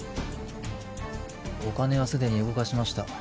お金はすでに動かしました。